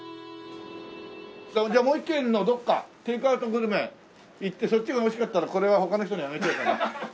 じゃあもう１軒のどこかテイクアウトグルメ行ってそっちがおいしかったらこれは他の人にあげちゃおうかな。